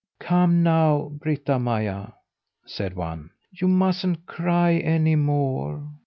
"Come now, Britta Maja!" said one, "you mustn't cry any more.